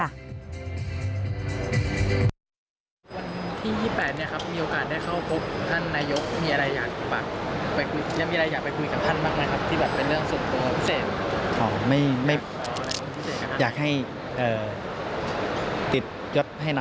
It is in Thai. วันที่๒๘มีโอกาสได้เข้าพบท่านนายกมีอะไรอยากไปคุยกับท่านบ้างไหมครับ